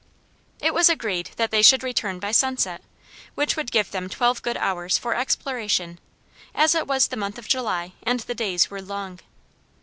It was agreed that they should return by sunset, which would give them twelve good hours for exploration, as it was the month of July, and the days were long.